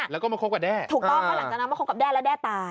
แล้วก็มาครบกับแด่